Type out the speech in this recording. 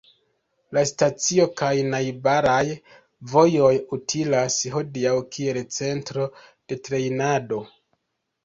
La stacio kaj najbaraj vojoj utilas hodiaŭ kiel centro de trejnado.